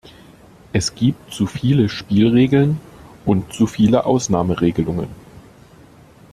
Es gibt zu viele Spielregeln und zu viele Ausnahmeregelungen.